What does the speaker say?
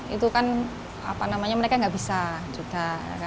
itu kan mereka nggak bisa juga